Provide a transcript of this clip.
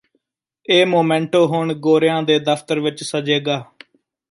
ਇਹ ਮੋਮੈਂਟੋ ਹੁਣ ਗੋਰਿਆਂ ਦੇ ਦਫਤਰ ਵਿੱਚ ਸਜੇਗਾ